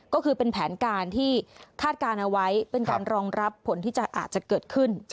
ก็คือเป็นแผนการที่คาดการณ์เอาไว้เป็นการรองรับผลที่จะอาจจะเกิดขึ้น